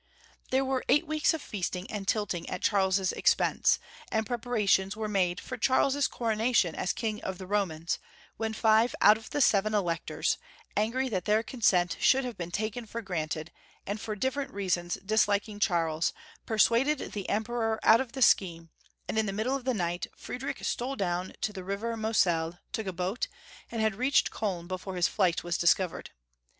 There were eight weeks of feasting and tilting at Charles's expense, and preparations were made for Charles's coronation as King of the Romans, when five out of the seven Electors, angry that their con sent should have been taken for granted, and for different reasons disliking Charles, persuaded the Emperor out of the scheme, and in the middle of the night Friedrich stole down to the river Moselle, Friedrich III. 249 took boat, and had reached Koln before his flight was discovered.